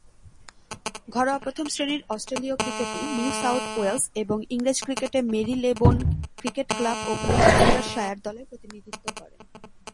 ঘরোয়া প্রথম-শ্রেণীর অস্ট্রেলীয় ক্রিকেটে নিউ সাউথ ওয়েলস এবং ইংরেজ ক্রিকেটে মেরিলেবোন ক্রিকেট ক্লাব ও গ্লুচেস্টারশায়ার দলের প্রতিনিধিত্ব করেন।